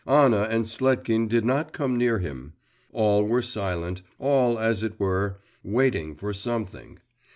Anna and Sletkin did not come near him. All were silent, all, as it were, waited for something.